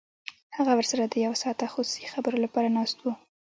هغه ورسره د یو ساعته خصوصي خبرو لپاره ناست و